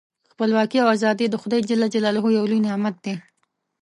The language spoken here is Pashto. خپلواکي او ازادي د خدای ج یو لوی نعمت دی.